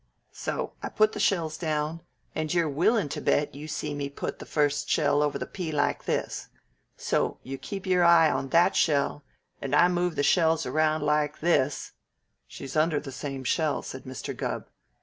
So I put the shells down, and you're willin' to bet you see me put the first shell over the pea like this. So you keep your eye on that shell, and I move the shells around like this " "She's under the same shell," said Mr. Gubb.